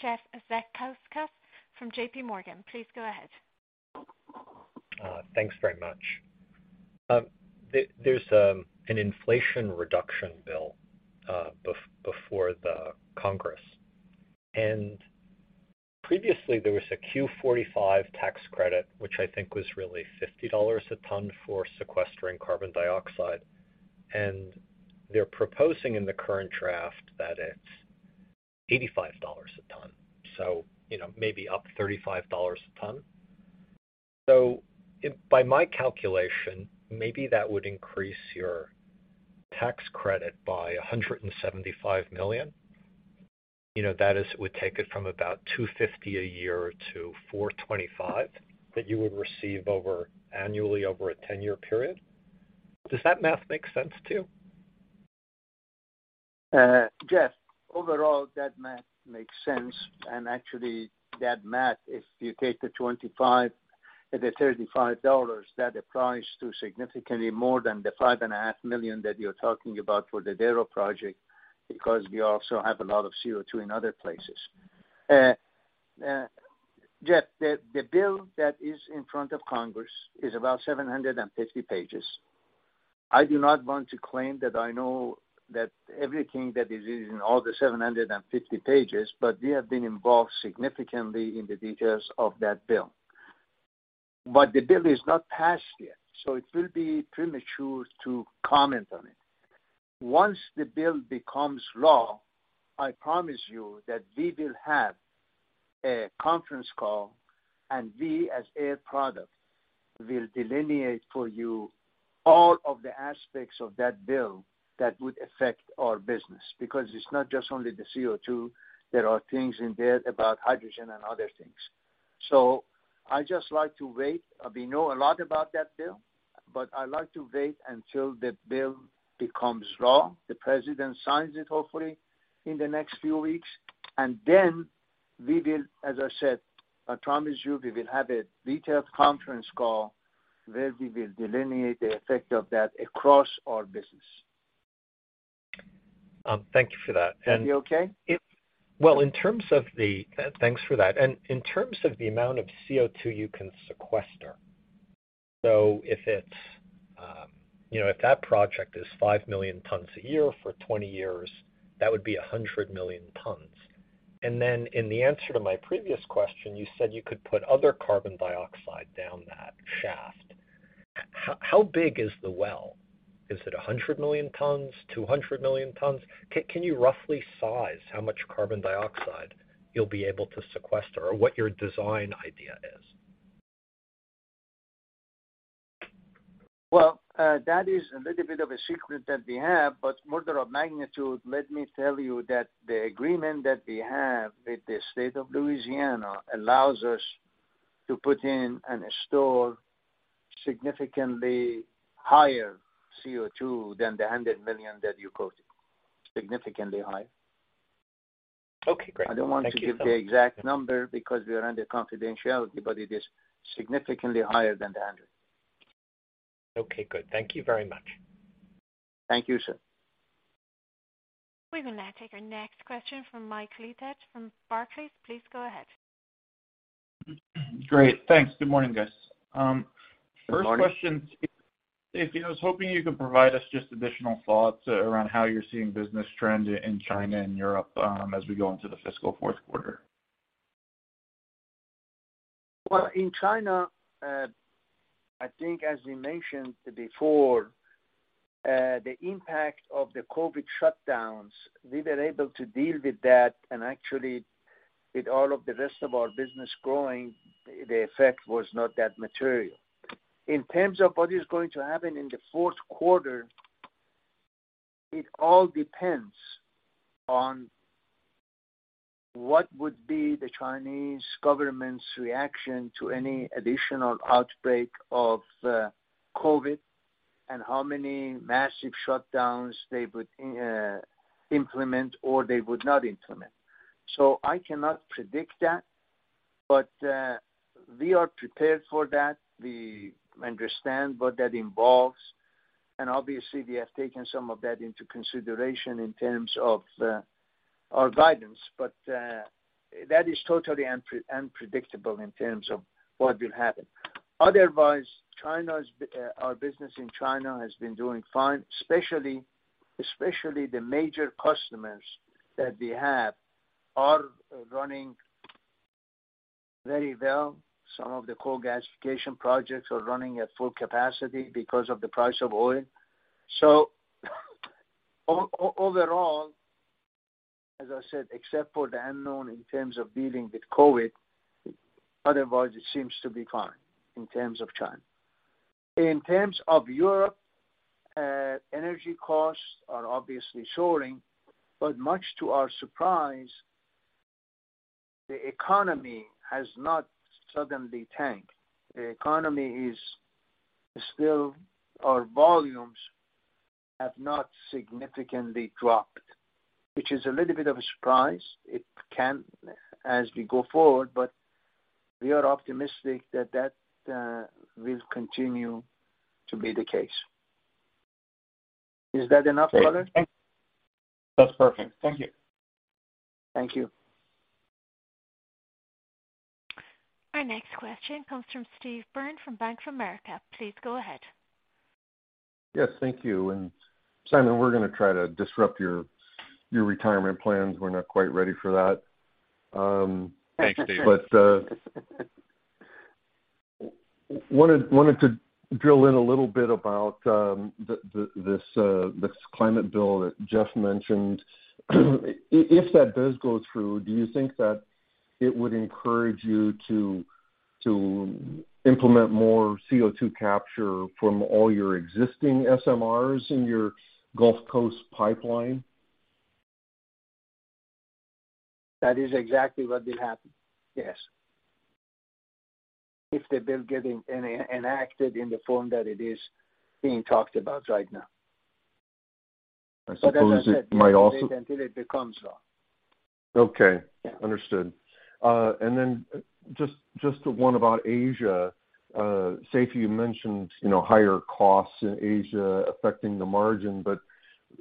S1: Jeff Zekauskas from J.P. Morgan. Please go ahead.
S11: Thanks very much. There's an inflation reduction bill before the Congress. Previously there was a 45Q tax credit, which I think was really $50 a ton for sequestering carbon dioxide. They're proposing in the current draft that it's $85 a ton, you know, maybe up $35 a ton. By my calculation, maybe that would increase your tax credit by $175 million. You know, that is, it would take it from about $250 a year to $425 that you would receive annually over a ten-year period. Does that math make sense to you?
S3: Jeff, overall, that math makes sense. Actually, that math, if you take the $25, the $35, that applies to significantly more than the $5.5 million that you're talking about for the Darrow project, because we also have a lot of CO₂ in other places. Jeff, the bill that is in front of Congress is about 750 pages. I do not want to claim that I know that everything that is in all the 750 pages, but we have been involved significantly in the details of that bill. The bill is not passed yet, so it will be premature to comment on it. Once the bill becomes law, I promise you that we will have a conference call, and we as Air Products will delineate for you all of the aspects of that bill that would affect our business. Because it's not just only the CO₂, there are things in there about hydrogen and other things. I just like to wait. We know a lot about that bill, but I like to wait until the bill becomes law. The President signs it, hopefully in the next few weeks, and then we will, as I said, I promise you we will have a detailed conference call where we will delineate the effect of that across our business.
S11: Thank you for that.
S3: Is that okay?
S11: Thanks for that. In terms of the amount of CO₂ you can sequester, if it's, you know, if that project is 5 million tons a year for 20 years, that would be 100 million tons. In the answer to my previous question, you said you could put other carbon dioxide down that shaft. How big is the well? Is it 100 million tons, 200 million tons? Can you roughly size how much carbon dioxide you'll be able to sequester or what your design idea is?
S3: That is a little bit of a secret that we have, but order of magnitude, let me tell you that the agreement that we have with the state of Louisiana allows us to put in and store significantly higher CO₂ than the 100 million tons that you quoted. Significantly higher.
S11: Okay, great.
S3: I don't want to give the exact number because we are under confidentiality, but it is significantly higher than 100 million tons.
S11: Okay, good. Thank you very much.
S3: Thank you, sir.
S1: We will now take our next question from Mike Leithead from Barclays. Please go ahead.
S12: Great. Thanks. Good morning, guys.
S3: Good morning.
S12: First question, I was hoping you could provide us just additional thoughts around how you're seeing business trend in China and Europe, as we go into the fiscal fourth quarter.
S3: Well, in China, I think as we mentioned before, the impact of the COVID shutdowns, we were able to deal with that. Actually, with all of the rest of our business growing, the effect was not that material. In terms of what is going to happen in the fourth quarter, it all depends on what would be the Chinese government's reaction to any additional outbreak of COVID and how many massive shutdowns they would implement or they would not implement. I cannot predict that, but we are prepared for that. We understand what that involves, and obviously we have taken some of that into consideration in terms of our guidance. That is totally unpredictable in terms of what will happen. Otherwise, our business in China has been doing fine, especially the major customers that we have are running very well. Some of the coal gasification projects are running at full capacity because of the price of oil. Overall, as I said, except for the unknown in terms of dealing with COVID, otherwise it seems to be fine in terms of China. In terms of Europe, energy costs are obviously soaring, but much to our surprise, the economy has not suddenly tanked. The economy is still. Our volumes have not significantly dropped, which is a little bit of a surprise. It can as we go forward, but we are optimistic that that will continue to be the case. Is that enough, Michael?
S12: That's perfect. Thank you.
S3: Thank you.
S1: Our next question comes from Steve Byrne from Bank of America. Please go ahead.
S13: Yes, thank you. Simon, we're gonna try to disrupt your retirement plans. We're not quite ready for that.
S3: Thanks, Steve.
S13: Wanted to drill in a little bit about this climate bill that Jeff mentioned. If that does go through, do you think that it would encourage you to implement more CO₂ capture from all your existing SMRs in your Gulf Coast pipeline?
S3: That is exactly what will happen. Yes. If the bill getting enacted in the form that it is being talked about right now.
S13: I suppose it might also.
S3: As I said, wait until it becomes law.
S13: Okay.
S3: Yeah.
S13: Understood. Just one about Asia. Seifi, you mentioned, you know, higher costs in Asia affecting the margin, but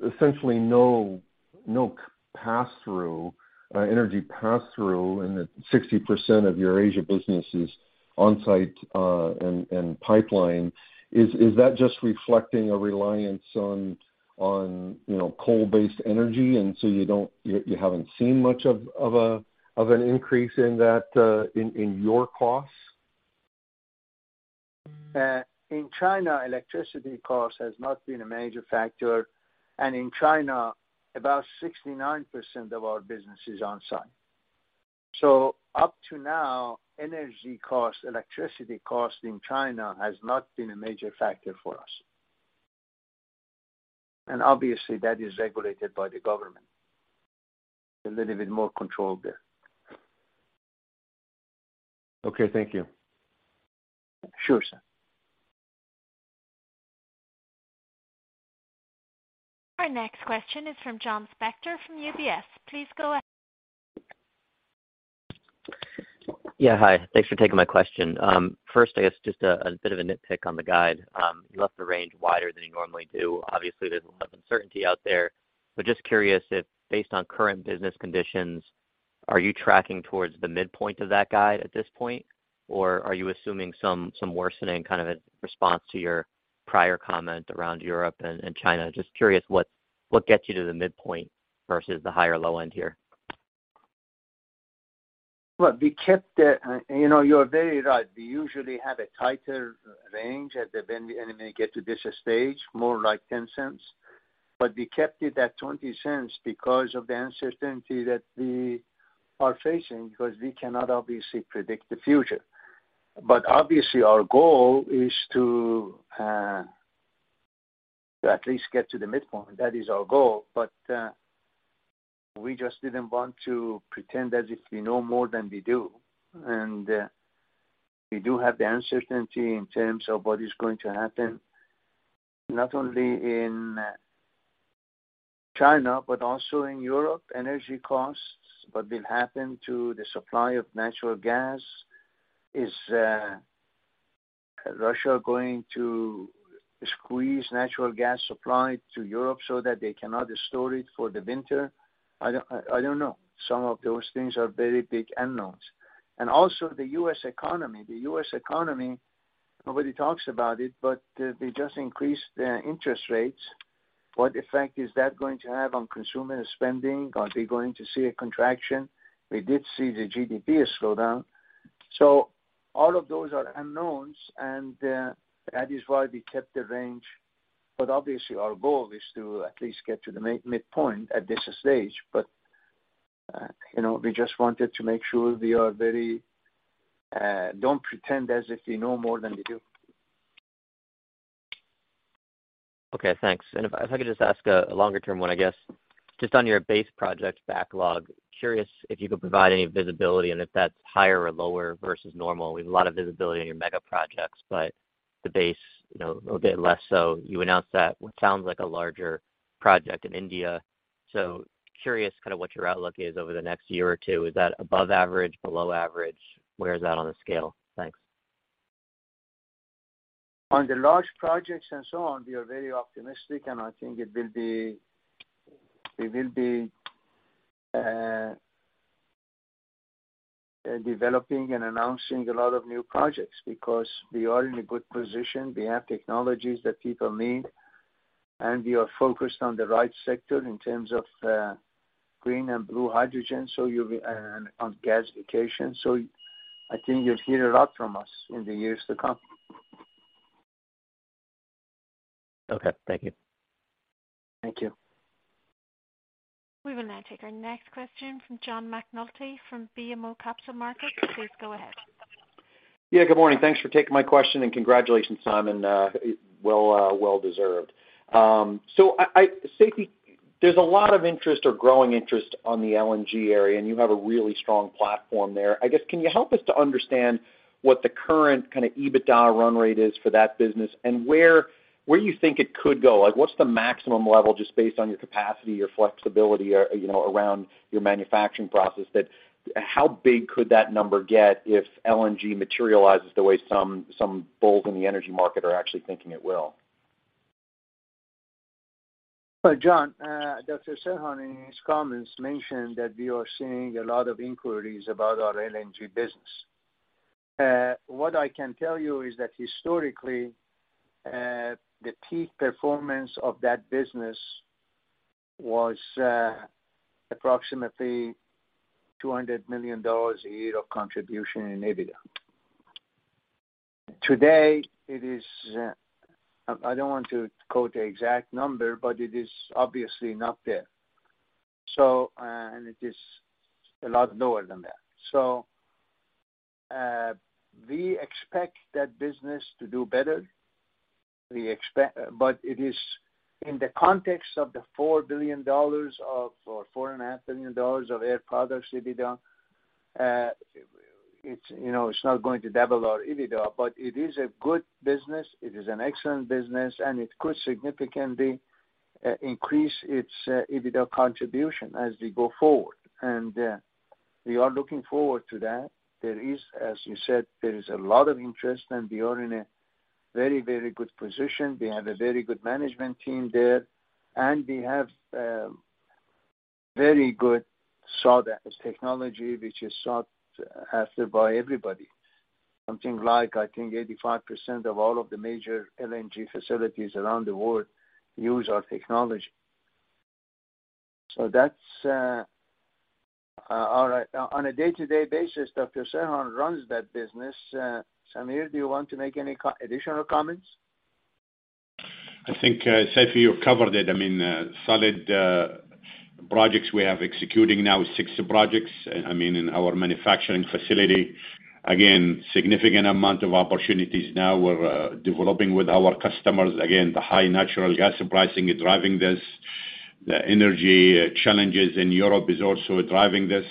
S13: essentially no CPI pass-through, energy pass-through in the 60% of your Asia businesses on-site and pipeline. Is that just reflecting a reliance on, you know, coal-based energy, and so you haven't seen much of an increase in that in your costs?
S3: In China, electricity cost has not been a major factor, and in China, about 69% of our business is on-site. Up to now, energy cost, electricity cost in China has not been a major factor for us. Obviously, that is regulated by the government. A little bit more control there.
S13: Okay, thank you.
S3: Sure, sir.
S1: Our next question is from John Spector from UBS. Please go ahead.
S14: Yeah, hi. Thanks for taking my question. First, I guess just a bit of a nitpick on the guide. You left the range wider than you normally do. Obviously, there's a lot of uncertainty out there. Just curious if, based on current business conditions, are you tracking towards the midpoint of that guide at this point, or are you assuming some worsening, kind of in response to your prior comment around Europe and China? Just curious, what gets you to the midpoint versus the high or low end here?
S3: Well, we kept, you know, you're very right. We usually have a tighter range when we get to this stage, more like $0.10. We kept it at $0.20 because of the uncertainty that we are facing, because we cannot obviously predict the future. Obviously, our goal is to at least get to the midpoint. That is our goal. We just didn't want to pretend as if we know more than we do. We do have the uncertainty in terms of what is going to happen, not only in China, but also in Europe, energy costs, what will happen to the supply of natural gas. Is Russia going to squeeze natural gas supply to Europe so that they cannot store it for the winter? I don't know. Some of those things are very big unknowns. Also the U.S. economy. The U.S. economy, nobody talks about it, but they just increased their interest rates. What effect is that going to have on consumer spending? Are we going to see a contraction? We did see the GDP has slowed down. So all of those are unknowns, and that is why we kept the range. But obviously, our goal is to at least get to the midpoint at this stage. But you know, we just wanted to make sure we are very, don't pretend as if we know more than we do.
S14: Okay, thanks. If I could just ask a longer term one, I guess. Just on your base project backlog, curious if you could provide any visibility and if that's higher or lower versus normal. We have a lot of visibility on your mega projects, but the base, you know, a bit less so. You announced that, what sounds like a larger project in India. Curious kind of what your outlook is over the next year or two. Is that above average, below average? Where is that on the scale? Thanks.
S3: On the large projects and so on, we are very optimistic, and I think we will be developing and announcing a lot of new projects because we are in a good position. We have technologies that people need, and we are focused on the right sector in terms of green and blue hydrogen and on gasification. I think you'll hear a lot from us in the years to come.
S14: Okay, thank you.
S3: Thank you.
S1: We will now take our next question from John McNulty from BMO Capital Markets. Please go ahead.
S15: Yeah, good morning. Thanks for taking my question. Congratulations, Simon. Well deserved. So, Seifi, there's a lot of interest or growing interest on the LNG area, and you have a really strong platform there. I guess, can you help us to understand what the current kind of EBITDA run rate is for that business and where you think it could go? Like, what's the maximum level just based on your capacity, your flexibility, you know, around your manufacturing process that how big could that number get if LNG materializes the way some bulls in the energy market are actually thinking it will?
S3: Well, John, Dr. Serhan, in his comments, mentioned that we are seeing a lot of inquiries about our LNG business. What I can tell you is that historically, the peak performance of that business was approximately $200 million a year of contribution in EBITDA. Today it is. I don't want to quote the exact number, but it is obviously not there. It is a lot lower than that. We expect that business to do better. But it is in the context of the $4 billion or $4.5 billion of Air Products EBITDA. It's, you know, it's not going to double our EBITDA, but it is a good business, it is an excellent business, and it could significantly increase its EBITDA contribution as we go forward. We are looking forward to that. There is, as you said, a lot of interest, and we are in a very, very good position. We have a very good management team there, and we have very good SMR technology, which is sought after by everybody. Something like, I think 85% of all of the major LNG facilities around the world use our technology. That's our. On a day-to-day basis, Dr. Serhan runs that business. Samir, do you want to make any additional comments?
S5: I think, Seifi, you've covered it. I mean, solid projects we have executing now, 60 projects, I mean, in our manufacturing facility. Again, significant amount of opportunities now we're developing with our customers. Again, the high natural gas pricing is driving this. The energy challenges in Europe is also driving this.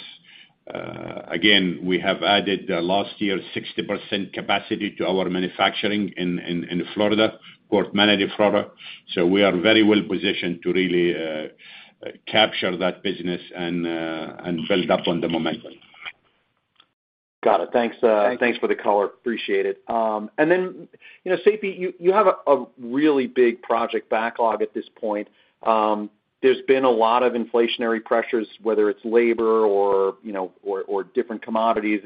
S5: Again, we have added last year 60% capacity to our manufacturing in Florida, Port Manatee, Florida. We are very well positioned to really capture that business and build up on the momentum.
S15: Got it. Thanks for the color. Appreciate it. You know, Seifi, you have a really big project backlog at this point. There's been a lot of inflationary pressures, whether it's labor or, you know, or different commodities.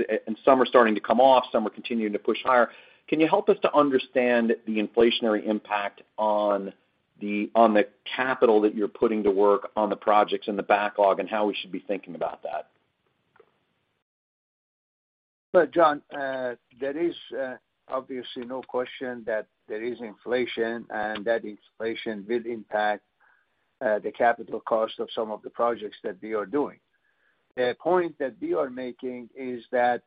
S15: Some are starting to come off, some are continuing to push higher. Can you help us to understand the inflationary impact on the capital that you're putting to work on the projects and the backlog and how we should be thinking about that?
S3: Well, John, there is obviously no question that there is inflation and that inflation will impact the capital cost of some of the projects that we are doing. The point that we are making is that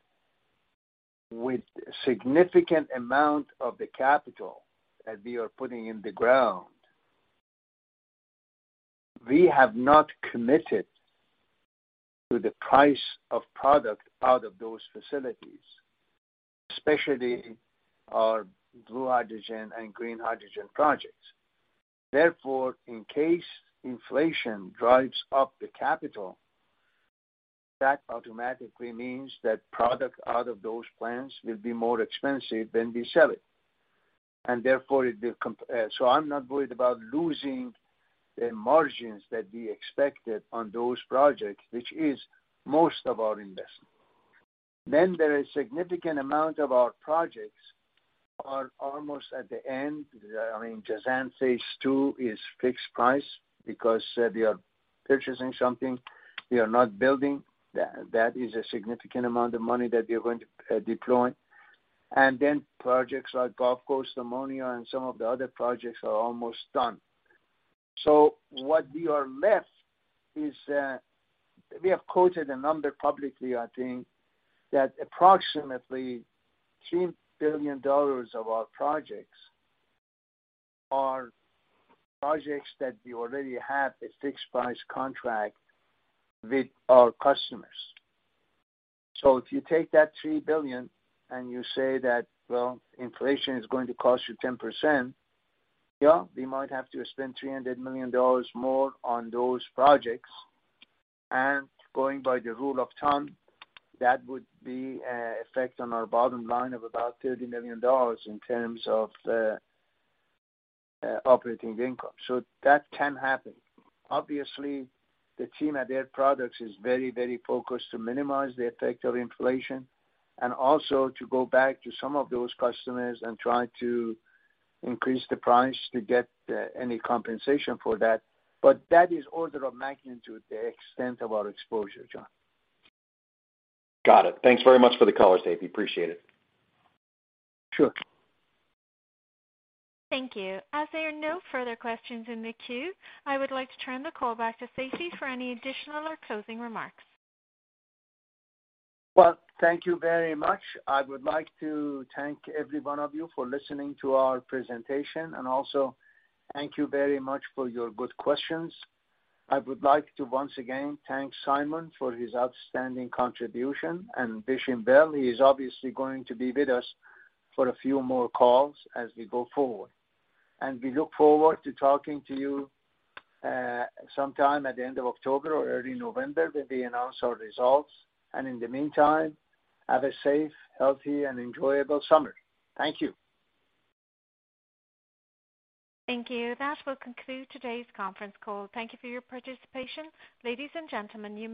S3: with significant amount of the capital that we are putting in the ground, we have not committed to the price of product out of those facilities, especially our blue hydrogen and green hydrogen projects. Therefore, in case inflation drives up the capital, that automatically means that product out of those plants will be more expensive than we sell it. So I'm not worried about losing the margins that we expected on those projects, which is most of our investment. There is significant amount of our projects are almost at the end. I mean, Jazan phase two is fixed price because we are purchasing something, we are not building. That is a significant amount of money that we're going to deploy. Projects like Gulf Coast Ammonia and some of the other projects are almost done. What we are left is we have quoted a number publicly, I think, that approximately $3 billion of our projects are projects that we already have a fixed price contract with our customers. If you take that $3 billion and you say that, well, inflation is going to cost you 10%, yeah, we might have to spend $300 million more on those projects. Going by the rule of thumb, that would be effect on our bottom line of about $30 million in terms of operating income. That can happen. Obviously, the team at Air Products is very, very focused to minimize the effect of inflation and also to go back to some of those customers and try to increase the price to get any compensation for that. That is order of magnitude, the extent of our exposure, John.
S15: Got it. Thanks very much for the color, Seifi. Appreciate it.
S3: Sure.
S1: Thank you. As there are no further questions in the queue, I would like to turn the call back to Seifi for any additional or closing remarks.
S3: Well, thank you very much. I would like to thank every one of you for listening to our presentation, and also thank you very much for your good questions. I would like to once again thank Simon for his outstanding contribution and Vishen Bell. He is obviously going to be with us for a few more calls as we go forward. We look forward to talking to you, sometime at the end of October or early November when we announce our results. In the meantime, have a safe, healthy, and enjoyable summer. Thank you.
S1: Thank you. That will conclude today's conference call. Thank you for your participation. Ladies and gentlemen, you may